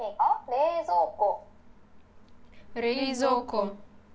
冷蔵庫。